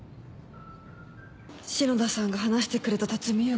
篠田さんが話してくれた辰巳勇吾の人物像